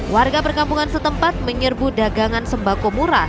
warga perkampungan setempat menyerbu dagangan sembako murah